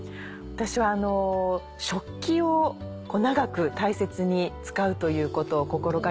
私は食器を長く大切に使うということを心掛けていまして。